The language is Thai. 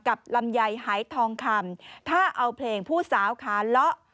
ลำไยหายทองคำถ้าเอาเพลงผู้สาวขาเลาะ